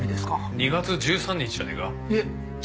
２月１３日じゃねえか？